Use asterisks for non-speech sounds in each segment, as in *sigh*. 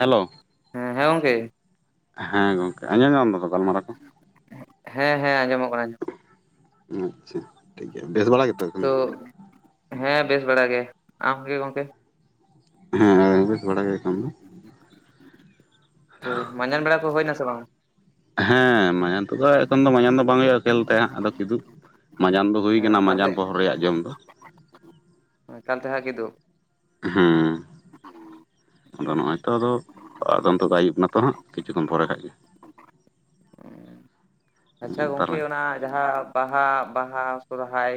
Hello ᱦᱮᱸ ᱦᱮᱸ ᱜᱚᱝᱠᱮ ᱦᱮᱸ ᱜᱚᱢᱠᱮ ᱟᱸᱡᱚᱢ ᱧᱟᱢ ᱫᱟᱢ ᱜᱟᱞᱢᱟᱨᱟᱣ ᱠᱚ ᱦᱮᱸ ᱦᱮᱸ ᱟᱸᱡᱚᱢᱚᱜ ᱠᱟᱱᱟ ᱟᱸᱚᱢ ᱟᱪᱷᱟ ᱴᱷᱤᱠ ᱜᱮᱭᱟ ᱵᱮᱥ ᱵᱟᱲᱟ ᱜᱮ ᱛᱚ ᱦᱮᱸ ᱵᱮᱥ ᱵᱟᱲᱟ ᱜᱮ ᱟᱢ ᱜᱮ ᱜᱚᱝᱠᱮ ᱦᱮᱸ ᱵᱮᱥ ᱵᱟᱲᱟ ᱜᱮ ᱮᱠᱷᱚᱱ ᱫᱚ ᱛᱚ ᱢᱟᱸᱡᱟᱱ ᱵᱮᱲᱟ ᱠᱚ ᱦᱩᱭ ᱱᱟ ᱥᱮ ᱵᱟᱝ ᱦᱮᱸ ᱢᱟᱭᱟᱱ ᱛᱚᱵᱮ ᱮᱠᱷᱚᱱ ᱫᱚ ᱢᱟᱡᱟᱱ ᱫᱚ ᱵᱟᱝ ᱦᱩᱭᱩᱜᱼᱟ ᱠᱷᱮᱞ ᱛᱮ ᱟᱫᱚ ᱠᱤᱱᱛᱩ ᱢᱟᱡᱟᱱ ᱫᱚ ᱦᱩᱭ ᱠᱟᱱᱟ ᱮᱠᱟᱞᱛᱮ ᱢᱟᱡᱟᱱ ᱯᱚᱦᱚᱨ ᱨᱮᱭᱟᱜ ᱡᱚᱢ ᱫᱚ ᱮᱠᱟᱞ ᱛᱮ ᱦᱟᱜ ᱠᱤᱫᱩᱯ ᱦᱮᱸ ᱦᱮᱸ ᱟᱫᱚ ᱱᱚᱜᱼᱚᱭ ᱛᱚ ᱟᱫᱚ ᱟᱫ ᱛᱚ ᱟᱹᱭᱩᱵ ᱮᱱᱟᱛᱚ ᱦᱟᱸᱜ ᱠᱤᱪᱷᱩ ᱠᱷᱚᱱ ᱯᱚᱨᱮ ᱠᱷᱟᱱ ᱜᱮ ᱟᱪᱷᱟ ᱜᱚᱢᱠᱮ ᱛᱟᱦᱚᱞᱮ ᱚᱱᱟ ᱡᱟᱦᱟᱸ ᱵᱟᱦᱟ ᱵᱟᱦᱟ ᱥᱚᱨᱦᱟᱭ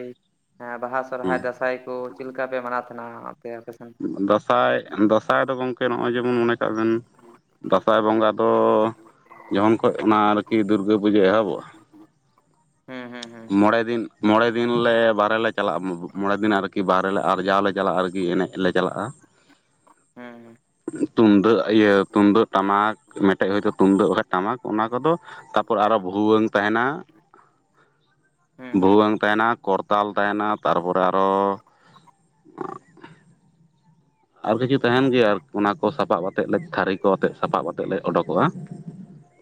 ᱦᱮᱸ ᱵᱟᱦᱟ ᱥᱚᱨᱦᱟᱭ ᱦᱮᱸ ᱫᱟᱸᱥᱟᱭ ᱠᱚ ᱪᱮᱫ ᱞᱮᱠᱟ ᱯᱮ ᱢᱟᱱᱟᱣ ᱛᱟᱦᱮᱸᱱᱟ ᱟᱯᱮ ᱟᱯᱮ ᱥᱮ ᱫᱟᱸᱥᱟᱭ ᱫᱟᱸᱥᱟᱭ ᱫᱚ ᱜᱚᱢᱠᱮ ᱱᱚᱜᱼᱚᱭ ᱡᱮᱢᱚᱱ ᱢᱚᱱᱮ ᱠᱟᱜ ᱵᱮᱱ ᱫᱟᱸᱥᱟᱭ ᱵᱚᱸᱜᱟ ᱫᱚ ᱡᱚᱠᱷᱚᱱ ᱠᱷᱚᱱ ᱚᱱᱟ ᱟᱨᱠᱤ ᱫᱩᱨᱜᱟᱹ ᱯᱩᱡᱟᱹ ᱮᱦᱚᱵᱚᱜᱼᱟ ᱦᱩᱸ ᱦᱩᱸ ᱦᱩᱸ ᱢᱚᱬᱮ ᱫᱤᱱ ᱢᱚᱬᱮ ᱫᱤᱱ ᱞᱮ ᱵᱟᱦᱨᱮ ᱞᱮ ᱪᱟᱞᱟᱜᱼᱟ ᱢᱚᱬᱮ ᱫᱤᱱ ᱟᱨᱠᱤ ᱟᱨᱠᱤ ᱵᱟᱦᱨᱮ ᱟᱨᱡᱟᱣ ᱞᱮ ᱪᱟᱞᱟᱜᱼᱟ ᱟᱨᱠᱤ ᱮᱱᱮᱡ ᱞᱮ ᱪᱟᱞᱟᱜᱼᱟ ᱦᱮᱸᱮᱸ ᱛᱩᱢᱫᱟᱹᱜ ᱤᱭᱟᱹ ᱛᱩᱢᱫᱟᱹᱜ ᱴᱟᱢᱟᱠ ᱟᱴᱮᱡ ᱦᱚᱭᱛᱳ ᱛᱩᱢᱫᱟᱹᱜ ᱵᱟᱠᱷᱟᱡ ᱴᱟᱢᱟᱠ ᱚᱱᱟ ᱠᱚᱫᱚ ᱛᱟᱯᱚᱨ ᱟᱨᱚ ᱵᱷᱩᱣᱟᱹᱝ ᱛᱟᱦᱮᱸᱱᱟ ᱦᱩᱸ ᱦᱩᱸ ᱵᱷᱩᱣᱟᱹᱝ ᱛᱟᱦᱮᱸᱱᱟ ᱠᱚᱨᱛᱟᱞ ᱛᱟᱦᱮᱸᱱᱟ ᱛᱟᱨᱯᱚᱨᱮ ᱟᱨᱚ ᱟᱨ ᱟᱨ ᱠᱤᱪᱷᱩ ᱛᱟᱦᱮᱸᱱ ᱜᱮᱭᱟ ᱟᱨ ᱚᱱᱟ ᱠᱚ ᱥᱟᱯᱟᱵ ᱟᱛᱮᱫ ᱞᱮ ᱛᱷᱟᱹᱨᱤ ᱠᱚ ᱟᱛᱮ ᱥᱟᱯᱟᱵ ᱟᱛᱮᱫ ᱞᱮ ᱩᱰᱩᱚᱠᱚᱜᱼᱟ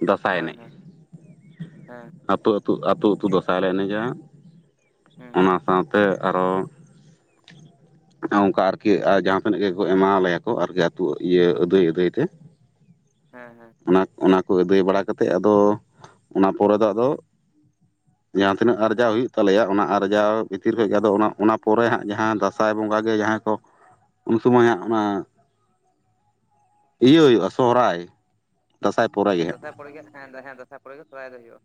ᱫᱟᱸᱥᱟᱭ ᱮᱱᱮᱡ ᱦᱩᱸ ᱦᱮᱸ ᱦᱮᱸ ᱟᱹᱛᱩ ᱟᱹᱛᱩ ᱟᱹᱛᱩ ᱟᱹᱛᱩ ᱫᱟᱸᱥᱟᱭ ᱞᱮ ᱮᱱᱮᱡᱟ ᱦᱮᱸ ᱚᱱᱟ ᱥᱟᱶᱛᱮ ᱟᱨᱚ ᱚᱱᱠᱟ ᱟᱨᱠᱤ ᱡᱟᱦᱟᱸ ᱛᱱᱟᱹᱜ ᱜᱮᱠᱚ ᱮᱢᱣᱟ ᱞᱮᱭᱟ ᱠᱚ ᱟᱨᱠᱤ ᱟᱹᱛᱩ ᱤᱭᱟᱹ ᱟᱹᱫᱟᱹᱭ ᱟᱹᱫᱟᱹᱭ ᱛᱮ ᱦᱮᱸ ᱦᱮᱸ ᱚᱱᱟ ᱚᱱᱟ ᱠᱚ ᱟᱹᱫᱟᱹᱭ ᱵᱟᱲᱟ ᱠᱟᱛᱮᱫ ᱟᱫᱚ ᱚᱱᱟ ᱯᱚᱨᱮ ᱫᱚ ᱟᱫᱚ ᱡᱟᱦᱟᱸ ᱛᱤᱱᱟᱹᱜ ᱟᱨᱡᱟᱣ ᱦᱩᱭᱩᱜ ᱛᱟᱞᱮᱭᱟ ᱚᱱᱟ ᱟᱨᱡᱟᱣ ᱵᱷᱤᱛᱤᱨ ᱠᱷᱚᱡ ᱜᱮ ᱟᱫᱚ ᱚᱱᱟ ᱚᱱᱟ ᱯᱚᱨᱮ ᱦᱟᱸᱜ ᱡᱟᱦᱟᱸ ᱫᱟᱸᱥᱟᱭ ᱵᱚᱸᱜᱟ ᱜᱮ ᱡᱟᱦᱟᱸᱭ ᱠᱚ ᱩᱱ ᱥᱚᱢᱚᱭ ᱦᱟᱸᱜ ᱚᱱᱟ ᱤᱭᱟᱹ ᱦᱩᱭᱩᱜᱼᱟ ᱥᱚᱦᱚᱨᱟᱭ ᱫᱟᱸᱥᱟᱭ᱾ ᱯᱚᱨᱮ ᱜᱮ ᱦᱟᱸᱜ ᱟᱸᱥᱟᱭ ᱯᱚᱨ ᱜᱮ ᱦᱮᱸ ᱫᱟᱸᱥᱟᱭ ᱯᱚᱨ ᱜᱮ ᱥᱚᱨᱦᱟᱭ ᱫᱚ ᱦᱩᱭᱩᱜᱼᱟ᱾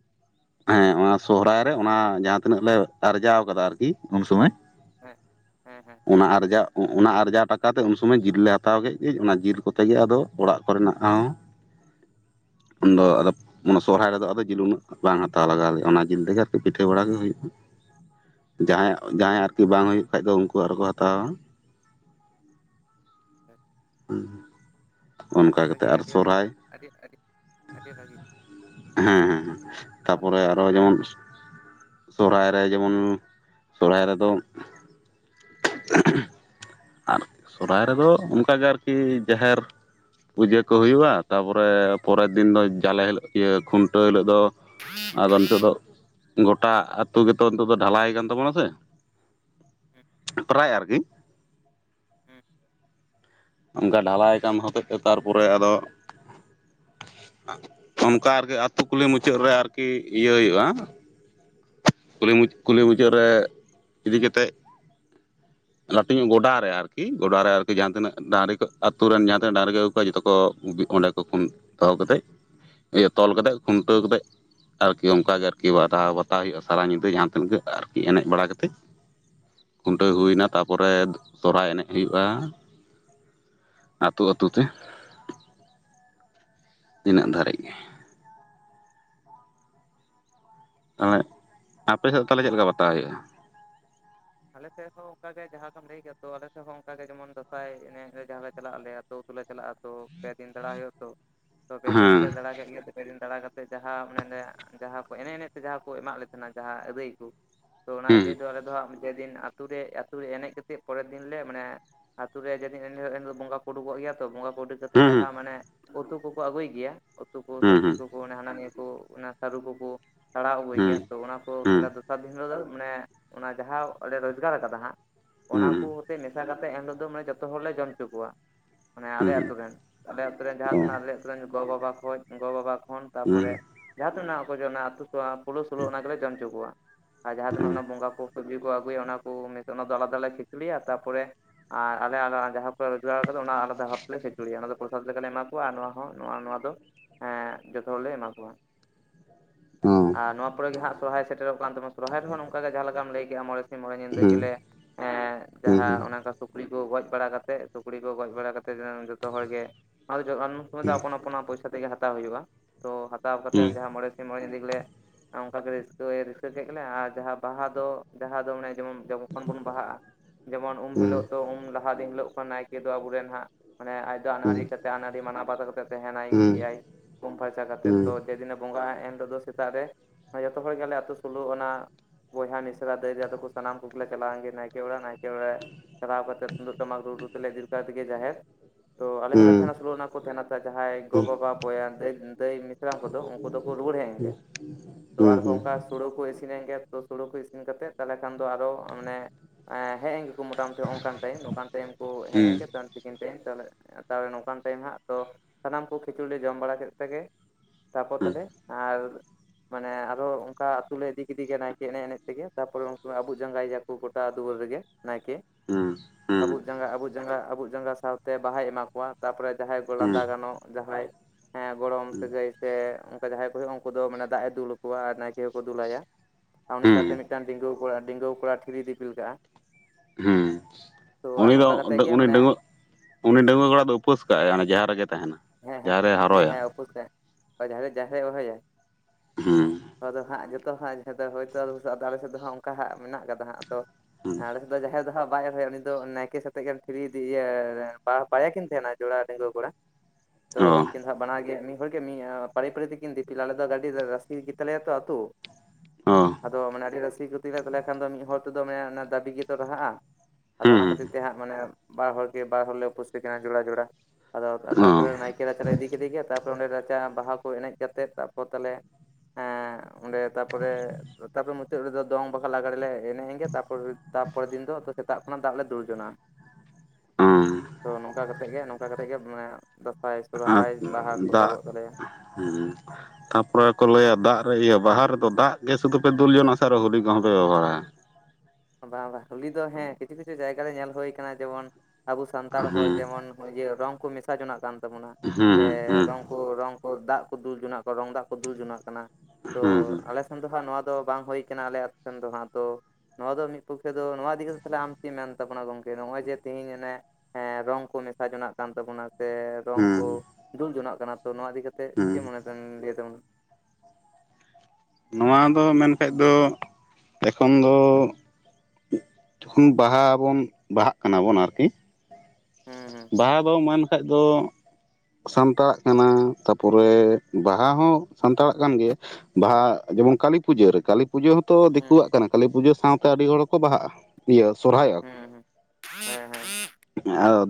ᱦᱮᱸ ᱚᱱᱟ ᱥᱚᱦᱚᱨᱟᱭ ᱨᱮ ᱦᱮᱸ ᱚᱱᱟ ᱡᱟᱦᱟᱸ ᱛᱤᱱᱟᱹᱜ ᱞᱮ ᱟᱨᱡᱟᱣ ᱟᱠᱟᱫᱟ ᱟᱨᱠᱤ ᱩᱱ ᱥᱩᱢᱟᱹᱭ, ᱦᱮᱸ ᱦᱮᱸ ᱚᱱᱟ ᱟᱨᱡᱟᱣ ᱚᱱᱟ ᱟᱨᱡᱟᱣ ᱴᱟᱠᱟ ᱛᱮ ᱩᱱ ᱥᱩᱢᱚᱭ ᱡᱤᱞ ᱞᱮ ᱦᱟᱛᱟᱣ ᱠᱮᱫ ᱜᱮ ᱚᱱᱟ ᱡᱤᱞ ᱠᱚᱛᱮ ᱜᱮ ᱟᱫᱚ ᱚᱲᱟᱜ ᱠᱚᱨᱮᱱᱟᱜ ᱦᱚᱸ ᱩᱱᱫᱚ ᱟᱫᱚ ᱢᱟᱱᱮ ᱥᱚᱨᱦᱟᱭ ᱨᱮᱫᱚ ᱟᱫᱚ ᱡᱤᱞ *inaudible* ᱵᱟᱝ ᱦᱟᱛᱟᱣ ᱞᱟᱜᱟᱣ ᱫᱟᱲᱮᱜᱼᱟ ᱚᱱᱟ ᱡᱤᱞ ᱛᱮᱜᱮ ᱟᱨᱠᱤ ᱯᱤᱴᱷᱟᱹ ᱵᱟᱲᱟ ᱜᱮ ᱦᱩᱭᱩᱜᱼᱟ᱾ ᱡᱟᱦᱟᱸᱭᱟᱜ, ᱡᱟᱦᱟᱸᱭᱟᱜ ᱟᱨᱠᱤ ᱵᱟᱝ ᱦᱩᱭᱩᱜ ᱠᱷᱟᱡ ᱫᱚ ᱩᱱᱠᱩ ᱟᱨᱦᱚᱸ ᱠᱚ ᱦᱟᱛᱟᱣᱟ᱾ ᱦᱮ *inaudible* ᱟᱹᱰᱤ ᱚᱱᱠᱟ ᱵᱷᱟᱹᱜᱤ ᱠᱟᱛᱮᱫ ᱟᱨ ᱟᱹᱰᱤ ᱥᱚᱨᱦᱟᱭ ᱟᱹᱰᱤ ᱟᱹᱰᱤᱮ ᱵᱷᱟᱹᱜᱮ ᱦᱮᱸ ᱦᱮᱸ ᱛᱟᱯᱚᱨᱮ ᱥᱚᱨᱦᱟᱭ ᱫᱚ ᱟᱨᱚ ᱥᱚᱨᱦᱟᱭ ᱫᱚ ᱡᱮᱢᱚᱱ ᱥᱚᱦᱚᱨᱟᱭ ᱨᱮ ᱡᱮᱢᱚᱱ, ᱥᱚᱦᱚᱨᱟᱭ ᱨᱮᱫᱚ *inaudible* ᱟᱨ ᱥᱚᱦᱚᱨᱟᱭ ᱨᱮᱫᱚ ᱚᱱᱠᱟᱜᱮ ᱟᱨᱠᱤ ᱡᱟᱦᱮᱨ ᱯᱩᱡᱟᱹ ᱠᱚ ᱦᱩᱭᱩᱜᱼᱟ ᱛᱟᱯᱚᱨᱮ ᱯᱚᱨᱮᱨ ᱫᱤᱱ ᱫᱚ ᱡᱟᱞᱮ ᱦᱤᱞᱳᱜ ᱤᱭᱟᱹ ᱠᱷᱩᱱᱴᱟᱹᱣ ᱦᱤᱞᱳᱜ ᱫᱚ, ᱟᱫᱚ ᱱᱤᱛᱚᱜ ᱫᱚ ᱜᱚᱴᱟ ᱟᱹᱛᱩ ᱜᱮᱛᱚ ᱱᱤᱛᱚᱜ ᱫᱚ ᱰᱷᱟᱞᱟᱭ ᱠᱟᱱ ᱛᱟᱵᱚᱱᱟ ᱥᱮ ᱦᱩᱸ ᱯᱨᱟᱭ ᱟᱨᱠᱤ, ᱦᱩᱸ ᱚᱱᱠᱟ ᱰᱷᱟᱞᱟᱭ ᱠᱟᱱ ᱦᱚᱛᱮᱜ ᱛᱮ ᱛᱟᱨᱯᱚᱨᱮ ᱟᱫᱚ ᱚᱱᱠᱟ ᱟᱨᱠᱤ ᱟᱛᱩ ᱠᱩᱞᱦᱤ ᱢᱩᱪᱟᱹᱫ ᱨᱮ ᱟᱨᱠᱤ ᱤᱭᱟᱹ ᱦᱩᱭᱩᱜᱼᱟ ᱠᱩᱞᱦᱤ ᱢᱩᱪᱟᱹᱫ ᱨᱮ ᱤᱫᱤ ᱠᱟᱛᱮᱫ ᱞᱟᱹᱴᱩ ᱧᱚᱜ ᱜᱚᱰᱟ ᱨᱮ ᱟᱨᱠᱤ ᱜᱚᱰᱟ ᱨᱮ ᱟᱨᱠᱤ ᱡᱟᱦᱟᱸ ᱛᱤᱱᱟᱹᱜ ᱰᱟᱺᱝᱨᱤ ᱠᱚ ᱟᱛᱩ ᱨᱮᱱ ᱡᱟᱦᱟᱸ ᱴᱷᱮ ᱰᱟᱺᱝᱨᱤ ᱠᱚ ᱟᱹᱜᱩ ᱠᱚᱣᱟ ᱡᱚᱛᱚ ᱠᱚ ᱚᱸᱰᱮ ᱠᱚ ᱠᱷᱩᱱᱴᱟᱹᱣ ᱠᱟᱛᱮᱫ ᱛᱚᱞ ᱠᱟᱛᱮᱫ ᱠᱷᱩᱱᱴᱟᱹᱣ ᱠᱟᱛᱮᱫ ᱟᱨᱠᱤ ᱚᱱᱠᱟ ᱜᱮ ᱟᱨᱠᱤ ᱵᱟᱫᱷᱟᱣ ᱵᱟᱛᱟᱣ ᱦᱩᱭᱩᱜᱼᱟ ᱥᱟᱨᱟ ᱧᱤᱫᱟᱹ ᱡᱟᱦᱟᱸ ᱛᱤᱱᱟᱹᱜ ᱜᱮ ᱟᱨᱠᱤ ᱮᱱᱮᱡ ᱵᱟᱲᱟ ᱠᱟᱛᱮᱜ᱾ ᱠᱷᱩᱱᱴᱟᱹᱣ ᱦᱩᱭᱮᱱᱟ ᱛᱟᱨᱯᱚᱨᱮ ᱥᱚᱨᱦᱟᱭ ᱮᱱᱮᱡ ᱦᱩᱭᱩᱜᱼᱟ᱾ ᱟᱛᱩ ᱟᱛᱩ ᱛᱮ᱾ ᱤᱱᱟᱹᱜ ᱫᱷᱟᱹᱨᱤᱡ ᱜᱮ ᱮᱜ ᱟᱯᱮ ᱥᱮᱫ ᱛᱟᱦᱚᱞᱮ ᱪᱮᱫ ᱞᱮᱠᱟ ᱵᱟᱛᱟᱣ ᱦᱩᱭᱩᱜᱼᱟ? ᱟᱞᱮ ᱥᱮᱫ ᱦᱚᱸ ᱚᱱᱠᱟ ᱜᱮ ᱡᱟᱦᱟᱸ ᱠᱚᱢ ᱞᱟᱹᱭ ᱠᱮᱫ-ᱟ ᱛᱚ ᱟᱞᱮ ᱥᱮᱫ ᱦᱚᱸ ᱚᱱᱠᱟ ᱜᱮ ᱡᱮᱢᱚᱱ ᱫᱟᱸᱥᱟᱭ ᱮᱱᱮᱡ ᱨᱮ ᱡᱟᱦᱟᱸᱞᱮ ᱪᱟᱞᱟᱜ ᱟᱞᱮ ᱚᱛᱩᱞᱮ ᱪᱟᱞᱟᱜ-ᱟ ᱛᱚ ᱯᱮ ᱫᱤᱱ ᱫᱟᱬᱟ ᱦᱩᱭᱩᱜ-ᱟ ᱛᱚ ᱯᱮ ᱫᱤᱱ ᱦᱮᱸ ᱜᱮᱞᱮ ᱫᱟᱬᱟ ᱠᱮᱫ ᱜᱮ᱾ ᱯᱮ ᱫᱤᱱ ᱫᱟᱬᱟ ᱠᱟᱛᱮ ᱡᱟᱦᱟᱸ ᱚᱱᱮ ᱡᱟᱦᱟᱸ ᱠᱚ ᱮᱱᱮᱡ ᱮᱱᱮᱡ ᱡᱟᱦᱟᱸ ᱠᱚ ᱮᱢᱟᱜ ᱞᱮ ᱛᱟᱦᱮᱱᱟ ᱡᱟᱦᱟᱸ ᱟᱹᱫᱟᱹᱭ ᱠᱚ, ᱛᱚ ᱚᱱᱟ ᱦᱩᱸ ᱤᱫᱤᱭ ᱫᱚ ᱟᱞᱮ ᱫᱚ ᱦᱟᱸᱜ ᱡᱮ ᱫᱤᱱ ᱟᱛᱩ ᱨᱮ, ᱟᱛᱩ ᱨᱮ ᱮᱱᱮᱡ ᱠᱟᱛᱮᱜ ᱯᱚᱨᱮᱨ ᱫᱤᱱ ᱞᱮ ᱢᱟᱱᱮ ᱟᱛᱩ ᱨᱮ ᱡᱮ ᱫᱤᱱ ᱮᱱᱮᱡ ᱦᱩᱭᱩᱜ-ᱟ ᱮᱱᱦᱤᱞᱳᱜ ᱵᱚᱸᱜᱟ ᱠᱚ ᱩᱰᱩᱠᱚᱜ ᱜᱮᱭᱟ ᱛᱚ ᱵᱚᱸᱜᱟ ᱠᱚ ᱩᱰᱩᱠ ᱠᱟᱛᱮ ᱦᱩᱸ ᱡᱟᱦᱟᱸ ᱢᱟᱱᱮ ᱩᱛᱩ ᱠᱚᱠᱚ ᱟᱹᱜᱩᱭ ᱜᱮᱭᱟ ᱩᱛᱩ ᱠᱚ, ᱦᱩᱸ ᱥᱚᱵᱡᱤ ᱠᱚ, ᱦᱟᱱᱟ ᱱᱤᱭᱟᱹ ᱠᱚ ᱚᱱᱟ ᱥᱟᱹᱨᱩ ᱠᱚᱠᱩ ᱥᱟᱲᱟᱣ ᱟᱹᱜᱩᱭ ᱦᱩᱸ ᱜᱮᱭᱟ ᱛᱚ ᱚᱱᱟ ᱠᱚ ᱦᱩᱸ ᱦᱩᱸ ᱦᱩᱸ ᱛᱟᱦᱚᱞᱮ ᱫᱚᱥᱟᱨ ᱫᱤᱱ ᱦᱤᱞᱳᱜ ᱫᱚ ᱢᱟᱱᱮ ᱚᱱᱟ ᱡᱟᱦᱟᱸᱞᱮ ᱨᱚᱡᱽᱜᱟᱨ ᱟᱠᱟᱫᱟ ᱦᱟᱸᱜ ᱚᱱᱟ ᱠᱚ ᱢᱮᱥᱟ ᱠᱟᱛᱮᱫ ᱮᱱᱦᱤᱞᱳᱜ ᱫᱚᱢᱮ ᱡᱚᱛᱚ ᱦᱚᱲᱞᱮ ᱡᱚᱢ ᱚᱪᱚ ᱠᱚᱣᱟ᱾ ᱢᱟᱱᱮ ᱦᱩᱸ ᱦᱩᱸ ᱟᱞᱮ ᱟᱛᱩ ᱨᱮᱱ, ᱟᱞᱮ ᱟᱛᱩ ᱨᱮᱱ ᱡᱟᱦᱟᱸ ᱛᱤᱱᱟᱹᱜ ᱟᱞᱮ ᱟᱛᱩ ᱨᱮᱱ ᱜᱚ ᱵᱟᱵᱟ ᱠᱷᱚᱡ, ᱜᱚ ᱵᱟᱵᱟ ᱠᱷᱚᱱ ᱦᱩᱸ ᱦᱩᱸ ᱛᱟᱨᱯᱚᱨᱮ ᱡᱟᱦᱟᱸ ᱛᱤᱱᱟᱹᱜ ᱦᱚᱲᱠᱚ ᱦᱟᱹᱡᱩ ᱚᱱᱟ ᱟᱛᱩ ᱯᱳᱞᱳ ᱥᱩᱞᱳᱟᱱᱟ ᱜᱮᱞᱮ ᱡᱚᱢ ᱚᱪᱚ ᱠᱚᱣᱟ᱾ ᱟᱨ ᱡᱟᱦᱟᱸ ᱛᱤᱹᱜ ᱦᱩᱸ ᱦᱩᱸ ᱦᱩᱸ ᱚᱱᱟ ᱵᱚᱸᱜᱟ ᱠᱚ ᱥᱚᱵᱡᱤ ᱠᱚ ᱟᱹᱜᱩᱣᱟ ᱚᱱᱟ ᱠᱚ ᱢᱮ ᱚᱱᱟ ᱫᱚ ᱟᱞᱟᱫᱟᱞᱮ ᱠᱷᱤᱪᱩᱲᱤᱭᱟ ᱛᱟᱯᱚᱨᱮ ᱟᱨ ᱟᱞᱮ ᱡᱟᱦᱟᱸ ᱠᱚ ᱨᱳᱡᱽᱜᱟᱨ ᱠᱟᱫᱟ ᱟᱨ ᱟᱞᱮ ᱚᱱᱟ ᱡᱟᱸᱜᱟ ᱠᱚ ᱟᱹᱜᱩᱭᱟ ᱚᱱᱟ ᱫᱚᱞᱮ ᱠᱷᱤᱪᱩᱲᱤᱭᱟ ᱚᱱᱟ ᱫᱚ ᱯᱨᱚᱥᱟᱫᱽ ᱞᱮᱠᱟᱞᱮ ᱮᱢᱟ ᱠᱚᱣᱟ ᱟᱨ ᱱᱚᱣᱟ ᱦᱚᱸ ᱱᱚᱣᱟ ᱫᱚ ᱦᱮᱸ ᱡᱚᱛᱚ ᱦᱚᱲᱞᱮ ᱮᱢᱟ ᱠᱚᱣᱟ *inaudible* ᱟᱨ ᱱᱚᱣᱟ ᱯᱚᱨᱮ ᱜᱮ ᱦᱟᱸᱜ ᱥᱚᱨᱚᱦᱟᱭ ᱥᱮᱴᱮᱨᱚᱜ ᱠᱟᱱ ᱛᱟᱵᱚᱱᱟ ᱥᱚᱨᱚᱦᱟᱭ ᱨᱮᱦᱚᱸ ᱱᱚᱝᱠᱟ ᱜᱮ ᱡᱟᱦᱟᱸ ᱞᱮᱠᱟᱢ ᱞᱟᱹᱭ ᱠᱮᱜᱼᱟ ᱢᱚᱬᱮ ᱢᱚᱬᱮ ᱧᱤᱫᱟᱹ ᱜᱮᱞᱮ ᱦᱩᱸ ᱮᱜ ᱡᱟᱦᱟᱸ ᱚᱱᱟᱠᱟ ᱥᱩᱠᱨᱤ ᱠᱚ ᱜᱚᱡ ᱵᱟᱲᱟ ᱠᱟᱛᱮᱫ, ᱥᱩᱠᱨᱤ ᱠᱚ ᱜᱚᱡ ᱵᱟᱲᱟ ᱠᱟᱛᱮᱫ ᱡᱚ ᱡᱚᱛᱚ ᱦᱚᱲ ᱜᱮ ᱡᱚᱢ ᱥᱚᱢᱚᱭ ᱫᱚ ᱟᱯᱚᱱ ᱦᱚᱯᱚ ᱯᱚᱭᱥᱟ ᱛᱮᱜᱮ ᱦᱟᱛᱟᱣ ᱦᱩᱭᱩᱜᱼᱟ ᱛᱳ ᱦᱟᱛᱟᱣ ᱦᱩᱸ ᱦᱩᱸ ᱦᱩᱸ ᱠᱟᱛᱮᱮᱫ ᱡᱟᱦᱟᱸ ᱢᱚᱬᱮ ᱥᱤᱧ ᱢᱚᱬᱮ ᱫᱤᱫᱤᱠᱞᱮ ᱚᱱᱠᱟ ᱜᱮ ᱨᱟᱹᱥᱠᱟᱹᱭ ᱨᱟᱹᱥᱠᱟᱹ ᱠᱮᱫ ᱜᱮ ᱟᱨ ᱡᱟᱦᱟ ᱵᱟᱦᱟ ᱫᱚ ᱡᱟᱦᱟᱸ ᱫᱚ ᱢᱟᱱᱮ ᱡᱮᱢᱚᱱ ᱡᱚᱠᱷᱚᱱ ᱵᱚᱱ ᱵᱟᱦᱟᱜᱼᱟ ᱡᱮᱢᱚᱱ ᱩᱢ ᱦᱤᱞᱳᱜ ᱛᱚ ᱩᱢ ᱞᱟᱦᱟ ᱞᱟᱦᱟ ᱫᱤᱱ ᱦᱤᱞᱳᱜ ᱠᱷᱚᱱ ᱱᱟᱭᱠᱮ ᱫᱚ ᱟᱵᱚᱨᱮᱱ ᱦᱟᱸᱜ ᱢᱟᱱᱮ ᱟᱡ ᱫᱚ ᱟᱹᱱ ᱦᱩᱸ ᱟᱹᱟᱹᱨᱤ ᱠᱟᱛᱮᱜ ᱟᱹᱱᱼ ᱟᱹᱟᱹᱨᱤ ᱢᱟᱱᱟᱣ ᱵᱟᱛᱟ ᱠᱟᱛᱮᱫ ᱛᱟᱦᱮᱱᱟᱭ ᱦᱩᱸ ᱜᱤᱛᱤᱡ ᱟᱭ ᱩᱢ ᱯᱷᱟᱨᱪᱟ ᱠᱟᱛᱮᱜ ᱛᱚ ᱯᱮ ᱫᱤᱱᱮ ᱵᱚᱸᱜᱟ ᱮᱱ ᱨᱮᱫᱚ ᱥᱮᱛᱟᱜ ᱨᱮ ᱡᱚᱛᱚ ᱦᱚᱲ ᱜᱮ ᱟᱞᱮ ᱟ ᱟᱹᱛᱩ ᱥᱳᱞᱳ ᱟᱱᱟ ᱵᱚᱭᱦᱟ ᱢᱤᱥᱤ ᱫᱟᱹᱭ ᱫᱟ ᱠᱚ ᱥᱟᱱᱟᱢ ᱠᱚᱜᱮᱞᱮ ᱪᱟᱣᱮᱱ ᱜᱮ ᱱᱟᱭᱠᱮ ᱚᱲᱟᱜ ᱱᱟᱭᱠᱮ ᱚᱲᱮ ᱪᱟᱞᱟᱣ ᱠᱟᱛᱮᱫ ᱛᱩᱢᱫᱟᱜ ᱴᱟᱢᱟᱠ ᱨᱩ ᱨᱩ ᱛᱮ ᱞᱮ ᱤᱫᱤᱴᱳ ᱠᱟᱫᱤ ᱜᱮ ᱡᱟᱦᱮᱨ ᱛᱚ ᱟᱞᱮ ᱦᱚᱸᱞᱮ ᱛᱟᱦᱮᱱᱟ ᱥᱞᱩᱱᱟ ᱠᱚ ᱛᱟᱦᱮᱱᱟ ᱡᱟᱦᱟᱸᱭ ᱜᱚᱼ ᱵᱟᱵᱟ ᱵᱚᱭᱟ ᱫᱟᱹᱭ ᱢᱮ ᱠᱚᱫᱚ ᱩᱱᱠᱩ ᱫᱚᱠᱚ ᱨᱩᱣᱟᱹᱲ ᱦᱮᱡᱮᱱ ᱜᱮᱭᱟ ᱛᱚ ᱟᱨᱦᱚᱸ ᱚᱱᱠᱟ ᱥᱩᱲᱩ ᱠᱚ ᱤᱥᱤᱱᱮᱱ ᱜᱮᱭᱟ ᱛᱚ ᱥᱩᱲᱩ ᱠᱚ ᱤᱥᱤᱱ ᱠᱟᱛᱮ ᱛᱟᱦᱚᱞᱮ ᱠᱷᱟᱱ ᱫᱚ ᱟᱨᱚ ᱢᱟᱱᱮ ᱦᱮᱡ ᱮᱮᱱ ᱜᱮᱠᱚ ᱢᱚᱴᱟᱢᱩᱴᱤ ᱚᱱᱠᱟᱱ ᱴᱟᱭᱤᱢ ᱱᱚᱝᱠ ᱴᱟᱭᱤᱢ ᱚ ᱦᱮᱸᱡ ᱮᱱᱜᱮ ᱛᱟ ᱛᱤᱠᱤᱱ ᱴᱟᱭᱤᱢ ᱛᱮ ᱛᱟᱦᱚᱞᱮ ᱱᱚᱝᱠᱟᱱ ᱴᱟᱭᱤᱢ ᱦᱟᱸᱜ ᱛᱚ ᱥᱟᱱᱟᱢ ᱠᱚ ᱠᱷᱤᱪᱩᱲᱤ ᱞᱮ ᱡᱚᱢ ᱵᱟᱲᱟ ᱠᱮᱫ ᱛᱮᱜᱮ ᱛᱟᱯᱚᱨ ᱛᱟᱦᱚᱞᱮ ᱟᱨ ᱢᱟᱱᱮ ᱟᱨᱚ ᱚᱱᱠᱟ ᱟᱛᱩ ᱞᱮ ᱤᱫᱤ ᱠᱮᱫᱮᱜᱮ ᱱᱟᱭᱠᱮ ᱮᱱᱮᱡ ᱮᱱᱮᱡ ᱴᱷᱤᱠᱜᱮᱭᱟ ᱛᱟᱯᱚᱨ ᱟᱵᱩᱜ ᱡᱟᱸᱜᱟ ᱭᱟ ᱠᱚ ᱜᱚᱴᱟ ᱫᱩᱣᱟᱹᱨ ᱨᱮᱜᱮ ᱱᱟᱭᱠᱮ ᱦᱩᱸ ᱦᱮᱸ ᱟᱵᱩᱜ ᱡᱟᱸᱜᱟ ᱟᱵᱩᱜ ᱡᱟᱸᱜᱟ ᱟᱵᱩᱜ ᱡᱟᱸᱜᱟ ᱥᱟᱶᱛᱮ ᱵᱟᱦᱟᱭ ᱮᱢᱟ ᱠᱚᱣᱟ ᱛᱟᱨᱯᱚᱨᱮ ᱡᱟᱦᱟᱸᱭ ᱦᱟᱸᱜ ᱞᱟᱸᱫᱟ ᱜᱟᱱᱚᱜ ᱡᱟᱦᱟᱸᱭ ᱦᱮᱸ ᱜᱚᱲᱚᱢ ᱥ *inaudible* ᱜᱟᱹᱭ ᱥᱮ ᱚᱱᱠᱟ ᱡᱟᱦᱟᱸᱭ ᱠᱚ ᱦᱩᱭᱩᱜᱜᱼᱟ ᱩᱱᱠᱩ ᱫᱚ ᱢᱟᱱᱮ ᱫᱟᱜ ᱮ ᱫᱩᱞᱚᱣᱟ ᱟᱨ ᱱᱟᱭᱠᱮ ᱦᱚᱸᱠᱚ ᱫᱩᱞᱟᱭᱟ ᱛᱮ ᱢᱤᱫᱴᱟᱝ ᱰᱤᱸᱜᱣ ᱠᱚᱲᱟ ᱰᱤᱝᱣᱟᱸ ᱠᱚᱲᱟ ᱴᱷᱤᱞᱤ ᱫᱤᱯᱤᱞ ᱠᱟᱜᱼᱟ ᱦᱮ ᱛᱚ ᱟᱨ ᱩᱱᱤ ᱱᱚᱝᱠᱟ ᱠᱟᱛᱮᱜ ᱜᱮ ᱢᱟᱱᱮ ᱫᱚ ᱰᱟᱺᱝᱣᱟᱹ ᱠᱩᱩᱣᱟᱹ ᱚᱲᱟᱟᱜ ᱫᱚ ᱩᱯᱟᱹᱥ ᱠᱟᱜᱼ ᱟᱭ ᱡᱟᱦᱟᱸᱟᱦᱮ ᱨᱮᱜᱮ ᱛᱟᱦᱮᱱᱟ ᱡᱟᱦᱮ ᱨᱮᱭ ᱦᱟᱨᱚᱭᱟ *inaudible* ᱯᱥᱮ *inaudible* ᱭ *inaudible* ᱡᱨᱮ ᱡᱟᱦᱮᱨᱮᱮ ᱦᱚᱦᱚᱭᱟᱭᱭ ᱦᱩᱸ ᱦᱟᱸᱜ ᱡᱚᱛᱚ ᱦᱟᱸᱜᱭ ᱟᱫᱚ ᱟᱞᱮ ᱥᱮᱫ ᱫᱚ ᱦᱚᱸ ᱦᱟᱸᱜ ᱚᱱᱠᱟ ᱦᱟᱸᱜ ᱢᱮᱱᱟᱜ ᱠᱟᱫᱟ ᱦᱟᱸᱜ ᱛᱚ ᱦᱩᱸ ᱟᱞᱮᱥᱮᱫ ᱫᱚ ᱡᱟᱦᱮᱨ ᱫᱚ ᱦᱟᱸᱜ ᱵᱟᱭ ᱨᱦᱚᱭᱟ ᱩᱱᱤ ᱫᱚ ᱱᱟᱭᱠᱮ ᱥᱟᱛᱮᱜ ᱜᱮ ᱯᱷᱤᱨᱤᱤᱭ ᱤᱭᱟᱹ ᱯᱟᱭᱟ ᱠᱤᱱ ᱛᱟᱦᱮᱱᱟ ᱡᱳᱲᱟ ᱰᱟᱺᱝᱜᱽᱣᱟᱹ ᱠᱚᱲᱟ ᱛᱚ ᱚ ᱩᱱᱠᱤᱱ ᱫᱚᱦᱸᱟᱜ ᱵᱟᱱᱟᱨᱜᱮ ᱢᱤᱫ ᱦᱚᱲ ᱜᱮ ᱢᱤᱫ ᱯᱟᱹᱨᱤ ᱯᱟᱹᱨᱤ ᱛᱮᱠᱤᱱ ᱫᱤᱯᱤᱞᱟ ᱟᱞᱮ ᱫᱚ ᱜᱟᱹᱰᱤ ᱨᱟᱥᱥᱤ ᱜᱮᱛᱟᱞᱮᱭᱟ ᱛᱚ ᱟᱛᱳ ᱚ ᱟᱫᱚ ᱢᱟᱱᱮ ᱟᱹᱰᱤ ᱨᱟᱹᱥᱠᱟ ᱜᱮᱛᱮᱟ ᱛᱟᱦᱚᱞᱮ ᱠᱷᱟᱱ ᱫᱚ ᱢᱤᱫ ᱦᱚᱲ ᱛᱮᱫᱚᱢ ᱚᱱᱟ ᱫᱟᱹᱵᱤ ᱜᱮᱛᱚ ᱵᱟᱦᱟᱜᱼᱟ ᱟᱫᱚ ᱚᱱᱟ ᱦᱩᱸ ᱦᱩᱸ ᱠᱷᱟᱹᱛᱤᱨ ᱛᱮ ᱦᱟᱸᱜ ᱢᱟᱱᱮ ᱵᱟᱨ ᱦᱚᱲ ᱜᱮ ᱵᱟᱨ ᱦᱚᱲᱞᱮ ᱩᱯᱟᱹᱥᱤ ᱠᱟᱱᱟ ᱡᱚᱲᱟ ᱡᱚᱲᱟ ᱟᱫᱚ ᱚ ᱛᱟᱯᱚᱨᱮ ᱱᱟᱭᱠᱮ ᱨᱟᱪᱟᱨ ᱞᱮ ᱤᱫᱤ ᱠᱮᱫᱮᱜ ᱜᱮ ᱛᱟᱯᱚᱨᱮ ᱚᱸᱰᱮ ᱨᱟᱪᱟ ᱵᱟᱦᱟ ᱠᱚ ᱮᱱᱮᱡ ᱠᱟᱛᱮᱜ ᱛᱟᱨᱯᱚᱨ ᱛᱟᱞᱞᱮ ᱦᱮᱸ ᱚᱸᱰᱮ ᱛᱟᱯᱚᱨᱮ ᱛᱟᱯᱚᱨ ᱢᱩᱪᱟᱹᱫ ᱨᱮᱫᱚ ᱫᱚᱝ ᱵᱟᱠᱷᱟᱱ ᱞᱟᱜᱽᱬᱞᱮ ᱮᱱᱮᱡ ᱮᱱᱜᱮ ᱛᱟᱨᱯᱚᱨ ᱛᱟᱨᱯᱚᱨᱮᱨ ᱫᱤᱱ ᱫᱚ ᱥᱮᱛᱟᱜ ᱠᱷᱚᱱᱟᱜ ᱫᱟᱜ ᱞᱮ ᱫᱩᱞᱡᱚᱱᱟᱜ-ᱟ ᱟᱨ ᱛᱚ ᱱᱚᱝᱠᱟ ᱠᱟᱛᱮᱫ ᱜᱮ ᱱᱚᱝᱠᱟ ᱠᱟᱛᱮᱫ ᱜᱮ ᱢᱟᱱᱮ ᱫᱟᱸᱥᱟᱭ ᱟᱨ ᱥᱚᱨᱦᱟᱭ ᱵᱟᱦᱟ ᱠᱚ ᱛᱟᱵᱚᱜ ᱫᱟᱜ ᱛᱟᱞᱮᱭᱟ ᱦᱩᱸ ᱛᱟᱯᱚᱨᱮ ᱠᱚ ᱞᱟᱹᱭᱟ ᱫᱟᱜ ᱨᱮ ᱤᱭᱟᱹ ᱵᱟᱦᱟ ᱨᱮᱫᱚ ᱫᱟᱜ ᱜᱮ ᱥᱩᱫᱷᱩᱯᱮ ᱫᱩᱞ ᱡᱚᱱᱟᱜ-ᱟ ᱥᱮ ᱟᱨ ᱨᱮ ᱦᱩᱞᱤᱤ ᱠᱚᱦᱚᱸ ᱯᱮ ᱵᱮᱵᱚᱦᱟᱨᱟ ᱵᱟᱝ ᱵᱟᱝ ᱦᱩᱞᱤ ᱫᱚ ᱦᱮᱸ ᱠᱤᱪᱷᱩ ᱠᱤᱪᱷᱩ ᱡᱟᱭᱜᱟ ᱨᱮ ᱧᱮᱞ ᱦᱩᱭ ᱟᱠᱟᱱᱟ ᱡᱮᱢᱚᱱ ᱟᱵᱚ ᱥᱟᱱᱛᱟᱲ ᱦᱚᱸ ᱦᱩᱸ ᱡᱮᱢᱚᱱᱤᱭᱟᱹ ᱨᱚᱝ ᱠᱚ ᱢᱮᱥᱟ ᱡᱚᱱᱟᱜ ᱠᱟᱱ ᱛᱟᱵᱚᱱᱟ ᱦᱩᱸ ᱥᱮ ᱦᱩᱸ ᱨᱚᱝ ᱠᱚ ᱨᱚᱝ ᱠᱚ ᱫᱟᱜ ᱠᱚ ᱫᱩᱞ ᱡᱚᱱᱟᱜ ᱠᱚ ᱨᱚᱝ ᱫᱟᱜ ᱠᱚ ᱫᱩᱞ ᱡᱚᱱᱟᱜ ᱠᱟᱱᱟ ᱛᱚ ᱦᱩᱸ ᱦᱩᱸ ᱟᱞᱮ ᱥᱮᱱ ᱫᱚ ᱦᱟᱸᱜ ᱱᱚᱣᱟ ᱫᱚ ᱵᱟᱝ ᱦᱩᱭ ᱠᱟᱱᱟᱟᱱᱟ ᱟᱞᱮ ᱟᱛᱳ ᱥᱮᱱ ᱫᱚ ᱦᱟᱸᱜ ᱛᱚ ᱱᱚᱣᱟ ᱫᱚ ᱢᱤᱫ ᱯᱚᱠᱠᱷᱮ ᱫᱚ ᱱᱚᱣᱟ ᱤᱫᱤ ᱠᱟᱛᱮ ᱛᱮ ᱟᱢ ᱪᱮᱫ ᱢᱮᱱ ᱛᱟᱵᱚᱱᱟ ᱜᱚᱝᱠᱮ ᱱᱚᱜᱚᱭ ᱡᱮ ᱛᱮᱦᱤᱧᱱᱮᱡ ᱦᱮᱸ ᱨᱚᱝ ᱠᱚ ᱢᱮᱥᱟ ᱡᱚᱱᱟᱜ ᱠᱟᱱ ᱛᱟᱵᱚᱱᱟ ᱥᱮ ᱨᱚᱝ ᱠᱚ ᱦᱩᱸ ᱫᱩᱞ ᱡᱚᱱᱟᱜ ᱠᱟᱱᱟ ᱛᱚ ᱱᱚᱣᱟ ᱤᱫᱤᱠᱟ ᱠᱟᱛᱮᱜ ᱦᱩᱸ ᱪᱮᱫ ᱢᱚᱱᱮ ᱛᱟᱢ ᱞᱟᱹᱭ ᱛᱟᱵᱚᱱᱟ ᱱᱚᱣᱟ ᱫᱚ ᱢᱮᱱᱠᱷᱟᱡ ᱫᱚ ᱮᱠᱷᱚᱱ ᱫᱚ ᱡᱚᱠᱷᱚᱱ ᱵᱟᱦᱟ ᱵᱚᱱ ᱵᱟᱦᱟᱜ ᱠᱟᱱᱟ ᱵᱚᱱ ᱟᱨᱠᱤ ᱦᱩᱸ ᱦᱩᱸ ᱵᱟᱦᱟ ᱫᱚ ᱢᱮᱱᱠᱟᱱ ᱫᱚ ᱥᱟᱱᱛᱟᱲᱟᱜ ᱠᱟᱱᱟ ᱛᱟᱨᱯᱚᱨᱮ ᱵᱟᱦᱟ ᱦᱚᱸ ᱥᱟᱱᱛᱟᱲᱟᱜ ᱠᱟᱱ ᱜᱮᱭᱟ ᱵᱟᱦᱟ ᱡᱮᱢᱚᱱ ᱦᱩᱸ ᱠᱟᱹᱞᱤ ᱯᱩᱡᱟᱹᱨᱮ ᱠᱟᱹᱞᱤ ᱯᱩᱡᱟᱹ ᱦᱚᱸᱛᱚ ᱦᱩᱸ ᱫᱤᱠᱩᱣᱟᱜ ᱠᱟᱱᱟ ᱠᱟᱹᱞᱤ ᱯᱩᱡᱟᱹ ᱥᱟᱶᱛᱮ ᱟᱹᱰᱤ ᱦᱚᱲ ᱠᱚ ᱵᱟᱦᱟᱜᱼᱟ ᱤᱭᱟᱹ ᱥᱚᱨᱦᱟᱭᱚᱜᱼᱟ ᱠᱚ ᱦᱩᱸ ᱦᱮᱸ ᱦᱮᱸ